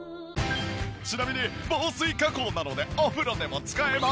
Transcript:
ちなみに防水加工なのでお風呂でも使えます。